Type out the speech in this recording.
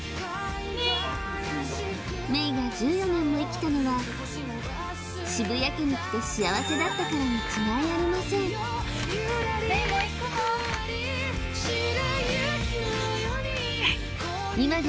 メイメイが１４年も生きたのは渋谷家に来て幸せだったからに違いありませんメイも行くの？